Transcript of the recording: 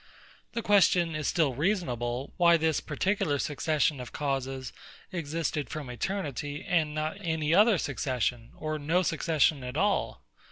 The question is still reasonable, why this particular succession of causes existed from eternity, and not any other succession, or no succession at all.